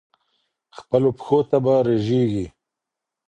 خپلو پښو ته به رژېږې